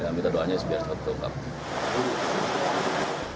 ya minta doanya sebiar sehat untuk kami